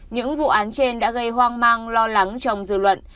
những vụ án trên đã gây hoang mang lo lắng trong dư luận